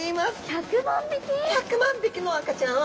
１００万匹の赤ちゃんを。